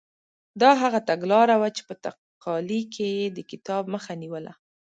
دا هغه تګلاره وه چې په تقالي کې یې د کتاب مخه نیوله.